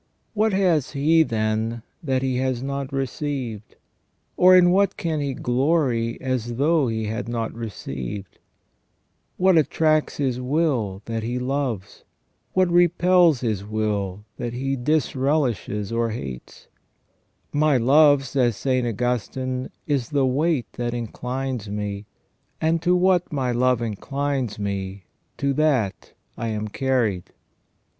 What has he, then, that he has not received ? Or in what can he glory as though he had not received ? What attracts his will, that he loves; what repels his will, that he disrelishes or hates. " My love," says St. Augustine, " is the weight that inclines me, and to what my love inclines me to that I am carried."